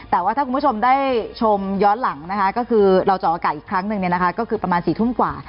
แต่ว่าถ้าคุณผู้ชมได้ชมย้อนหลังนะคะก็คือเราจะออกอากาศอีกครั้งหนึ่งก็คือประมาณ๔ทุ่มกว่า